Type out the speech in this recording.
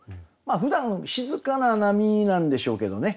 ふだん静かな波なんでしょうけどね。